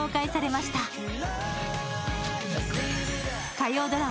火曜ドラマ